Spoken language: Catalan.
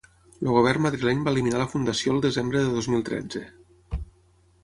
El govern madrileny va eliminar la fundació el desembre del dos mil tretze.